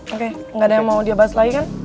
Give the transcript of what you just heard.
oke gak ada yang mau dia bahas lagi kan